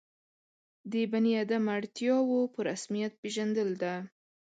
د بني آدم اړتیاوو په رسمیت پېژندل ده.